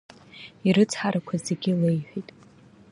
Ирыцҳарақәа зегьы леиҳәеит.